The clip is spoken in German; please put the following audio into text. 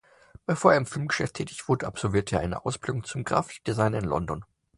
Bevor er im Filmgeschäft tätig wurde, absolvierte er eine Ausbildung zum Grafikdesigner in London.